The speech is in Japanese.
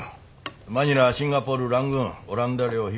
マニラシンガポールラングーンオランダ領東インド。